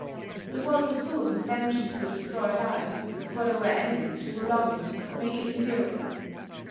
The world was full of inventions to destroy life before there were any to prolong it or make it endurable.